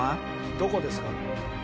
「どこですか？」